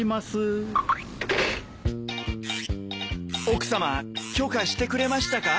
奥さま許可してくれましたか？